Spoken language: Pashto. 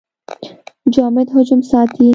جامد حجم ساتي.